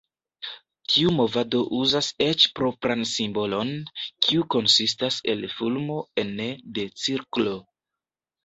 Tiu movado uzas eĉ propran simbolon, kiu konsistas el fulmo ene de cirklo.